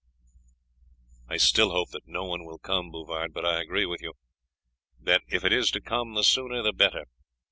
"I still hope that no one will come, Bouvard, but I agree with you, that if it is to come the sooner the better.